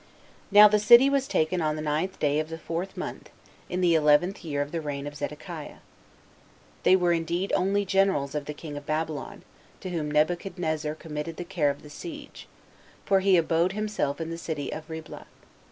2. Now the city was taken on the ninth day of the fourth month, in the eleventh year of the reign of Zedekiah. They were indeed only generals of the king of Babylon, to whom Nebuchadnezzar committed the care of the siege, for he abode himself in the city of Riblah.